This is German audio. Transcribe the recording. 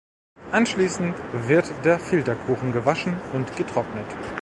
Anschließend wird der Filterkuchen gewaschen und getrocknet.